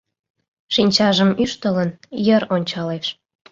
Шинчажым ӱштылын, йыр ончалеш.